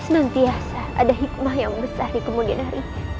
senantiasa ada hikmah yang besar di kemudian hari